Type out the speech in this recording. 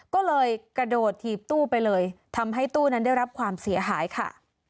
ก็เลยกระโดดถีบตู้ไปเลยทำให้ตู้นั้นได้รับความเสียหายค่ะ